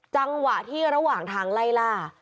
จังหวะที่ระหว่างทางไล่ล่า